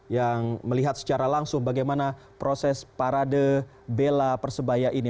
yang melihat secara langsung bagaimana proses parade bela persebaya ini